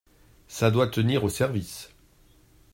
Ca doit tenir au service.